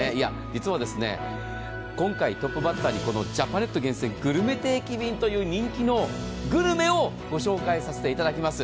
実は今回トップバッターにジャパネット厳選グルメ定期便という人気のグルメをご紹介させていただきます。